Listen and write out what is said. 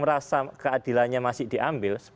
merasa keadilannya masih diambil